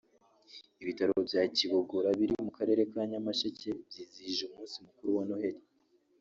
Ibitaro bya Kibogora biri mu Karere ka Nyamasheke byizihije umunsi mukuru wa Noheli